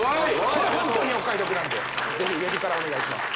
これホントにお買い得なんでぜひＷＥＢからお願いします